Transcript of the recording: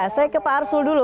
saya ke pak arsul dulu